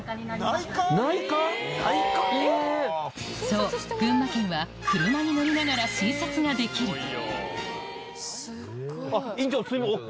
そう群馬県は車に乗りながら診察ができる院長すいません。